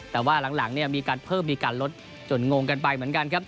แต่ว่าหลังเนี่ยมีการเพิ่มมีการลดจนงงกันไปเหมือนกันครับ